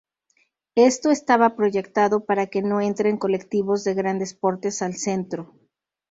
Esto estaba proyectado para que no entren colectivos de grandes portes al centro.